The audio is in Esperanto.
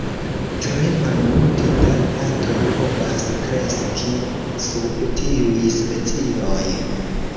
Tre malmulte da plantoj povas kreski sub tiuj specioj.